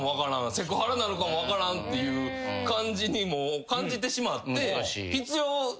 セクハラなるかも分からんっていう感じにもう感じてしまって。